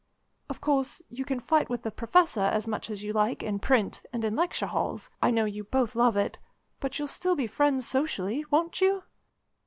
Of course, you can fight with the Professor as much as you like in print, and in lecture halls I know you both love it but you'll still be friends socially, won't you?"